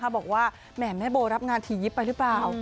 บอกว่าแหม่แม่โบรับงานถี่ยิปไปหรือเปล่า